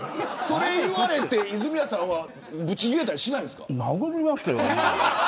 それ言われて泉谷さんはぶち切れたりしないんですか。